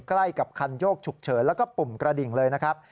ใกล้กับคันโยกฉุกเฉินแล้วก็ปุ่มกระดิ่งเลยนะครับ